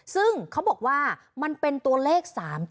ซึ่งเขาบอกว่ามันเป็นตัวเลข๓๗